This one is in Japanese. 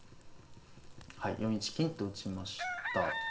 ４一金と打ちました。